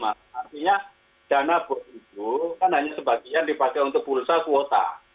artinya dana bos itu kan hanya sebagian dipakai untuk bursa kuota